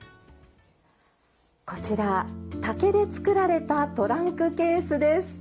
こちら竹で作られたトランクケースです。